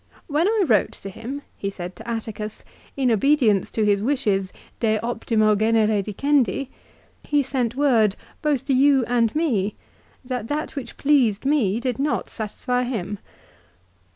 " When I wrote to him," he said to Atticus, " in obedience to his wishes 'de optimo genere dicendi' he sent word, both to you and me, that that which pleased me did not satisfy him."